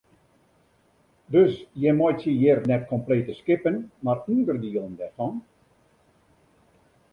Dus jim meitsje hjir net komplete skippen mar ûnderdielen dêrfan?